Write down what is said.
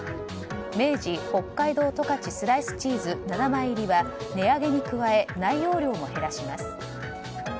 明治北海道十勝スライスチーズ７枚入は値上げに加え内容量を減らします。